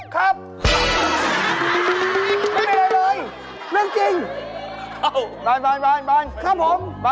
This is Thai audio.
ไม่มีอะไรเลยครับ